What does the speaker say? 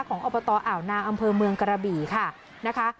อบตอ่าวนางอำเภอเมืองกระบี่ค่ะนะคะ